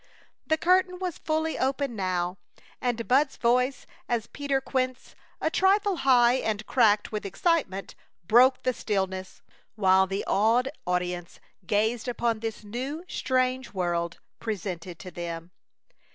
The curtain was fully open now, and Bud's voice as Peter Quince, a trifle high and cracked with excitement, broke the stillness, while the awed audience gazed upon this new, strange world presented to them.